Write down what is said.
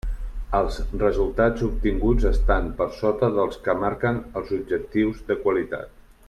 Els resultats obtinguts estan per sota del que marquen els objectius de qualitat.